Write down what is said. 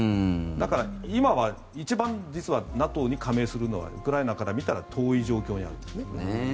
だから、今は一番実はＮＡＴＯに加盟するのはウクライナから見たら遠い状況にある。